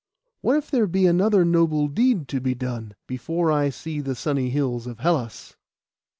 What if there be another noble deed to be done, before I see the sunny hills of Hellas?